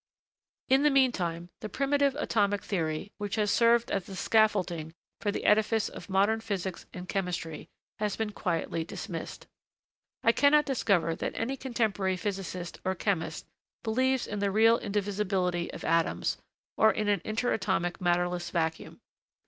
[H] In the meanwhile, the primitive atomic theory, which has served as the scaffolding for the edifice of modern physics and chemistry, has been quietly dismissed. I cannot discover that any contemporary physicist or chemist believes in the real indivisibility of atoms, or in an interatomic matterless vacuum.